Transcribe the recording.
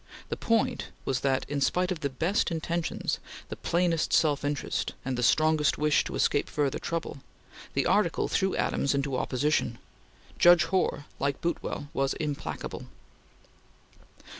The point was that, in spite of the best intentions, the plainest self interest, and the strongest wish to escape further trouble, the article threw Adams into opposition. Judge Hoar, like Boutwell, was implacable.